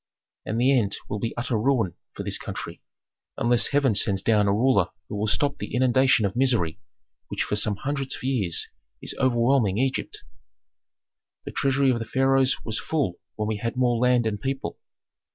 And the end will be utter ruin for this country, unless heaven sends down a ruler who will stop the inundation of misery which for some hundreds of years is overwhelming Egypt. "The treasury of the pharaohs was full when we had more land and people.